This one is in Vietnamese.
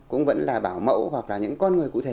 cũng vẫn là bảo mẫu hoặc là những con người cụ thể